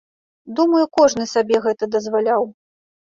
Думаю, кожны сабе гэта дазваляў.